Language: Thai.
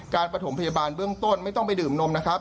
ประถมพยาบาลเบื้องต้นไม่ต้องไปดื่มนมนะครับ